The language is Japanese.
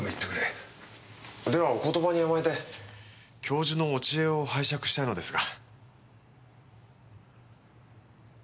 ではお言葉に甘えて教授のお知恵を拝借したいのですが。